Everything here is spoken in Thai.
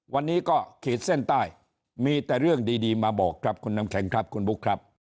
วันนี้ก็ขีดเส้นใต้มีแต่เรื่องดีมาบอกครับคุณน้ำแข็งครับคุณบุ๊คครับ